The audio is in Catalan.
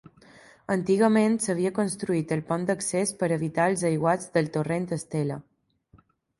Antigament s'havia construït el pont d'accés per evitar els aiguats del torrent Estela.